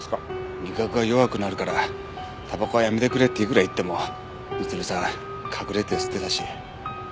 味覚が弱くなるからタバコはやめてくれっていくら言っても満さん隠れて吸ってたし。